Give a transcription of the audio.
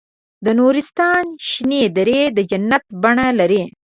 د نورستان شنې درې د جنت بڼه لري.